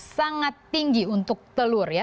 sangat tinggi untuk telur ya